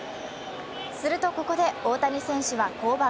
するとここで大谷選手は降板。